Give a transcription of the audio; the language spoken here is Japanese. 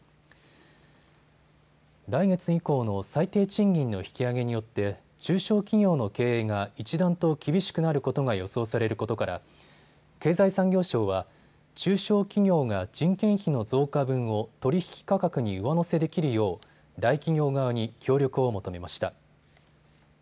来月以降の最低賃金の引き上げによって中小企業の経営が一段と厳しくなることが予想されることから経済産業省は中小企業が人件費の増加分を取引価格に上乗せできるよう大企業側に協力を求めました。